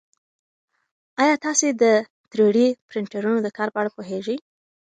ایا تاسي د تری ډي پرنټرونو د کار په اړه پوهېږئ؟